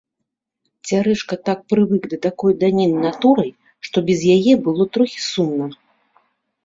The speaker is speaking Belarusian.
Цярэшка так прывык да такой даніны натурай, што без яе было трохі сумна.